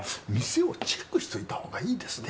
店をチェックしておいたほうがいいですね。